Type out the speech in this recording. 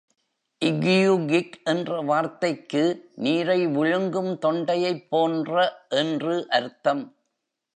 ‘lgiugig’ என்ற வார்த்தைக்கு “நீரை விழுங்கும் தொண்டையைப் போன்ற” என்று அர்த்தம்.